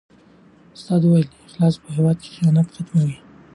استاد وویل چې اخلاص په هېواد کې خیانت ختموي.